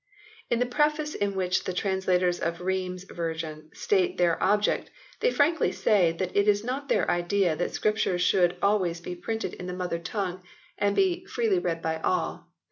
In the preface in which the translators of the Rheims version state their object they frankly say that it is not their idea that the Scriptures should always be printed in the mother v] THREE RIVAL VERSIONS 93 tongue and be freely read by all.